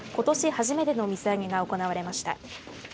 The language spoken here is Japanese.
初めての水揚げが行われました。